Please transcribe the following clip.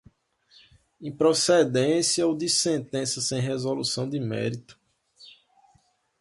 improcedência ou de sentença sem resolução de mérito